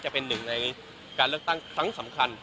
จะเป็นหนึ่งในการเลือกตั้งครั้งสำคัญ